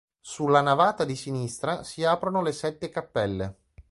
Sulla navata di sinistra si aprono le sette cappelle.